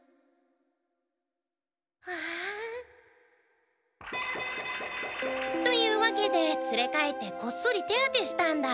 あ！というわけで連れ帰ってこっそり手当てしたんだ。